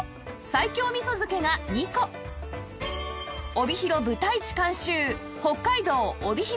帯広ぶたいち監修北海道帯広